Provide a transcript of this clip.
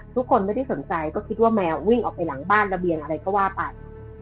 ทุกคนไม่ได้สนใจก็คิดว่าแมววิ่งออกไปหลังบ้านระเบียงอะไรก็ว่าไป